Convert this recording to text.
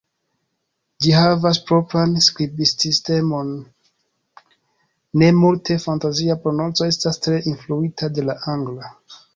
Ĝi havas propran skribsistemon, ne multe fantazia, prononco estas tre influita de la angla.